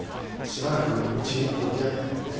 しばらくうちに置いてやってくれって。